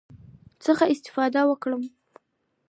څخه استفاده وکړم،